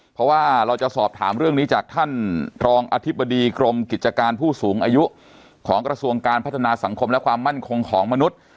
เพราะว่าเราจะสอบถามเรื่องนี้จากท่านรองอธิบดีกรมกิจการผู้สูงอายุของกระทรวงการพัฒนาสังคมและความมั่นคงของมนุษย์